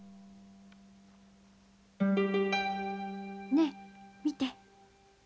ねえ見て。